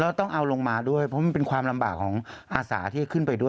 แล้วต้องเอาลงมาด้วยเพราะมันเป็นความลำบากของอาสาที่ขึ้นไปด้วย